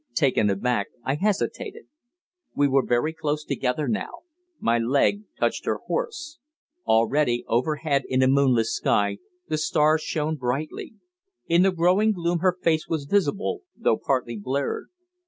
Taken aback, I hesitated. We were very close together now my leg touched her horse. Already, overhead in a moonless sky, the stars shone brightly. In the growing gloom her face was visible, though partly blurred.